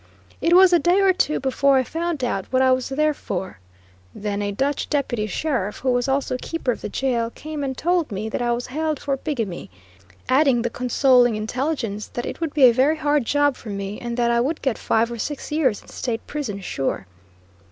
It was a day or two before I found out what I was there for. Then a Dutch Deputy Sheriff, who was also keeper of the jail, came and told me that I was held for bigamy, adding the consoling intelligence that it would be a very hard job for me, and that I would get five or six years in State prison sure.